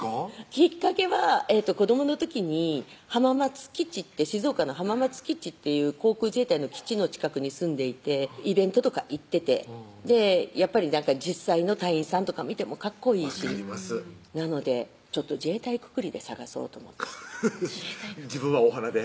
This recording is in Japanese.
きっかけは子どもの時に浜松基地って静岡の浜松基地っていう航空自衛隊の基地の近くに住んでいてイベントとか行ってて実際の隊員さんとか見てもかっこいいしなので自衛隊くくりで探そうと思ってフフッ自分はお花で？